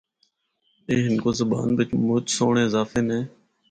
اے ہندکو زبان بچ مُچ سہنڑے اضافے نے۔